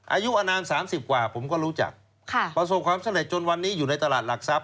อายุอนามสามสิบกว่าผมก็รู้จักค่ะประสบความเสน่ห์จนวันนี้อยู่ในตลาดหลักทรัพย์